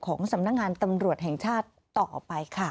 สำนักงานตำรวจแห่งชาติต่อไปค่ะ